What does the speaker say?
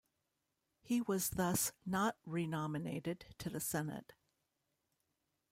He was thus not renominated to the Senate.